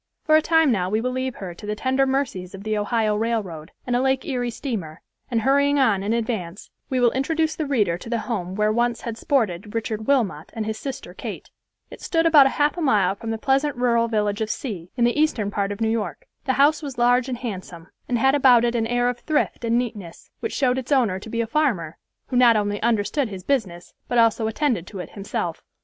For a time now we will leave her to the tender mercies of the Ohio railroad, and a Lake Erie steamer, and hurrying on in advance, we will introduce the reader to the home where once had sported Richard Wilmot and his sister Kate. It stood about a half a mile from the pleasant rural village of C——, in the eastern part of New York. The house was large and handsome, and had about it an air of thrift and neatness, which showed its owner to be a farmer, who not only understood his business, but also attended to it himself.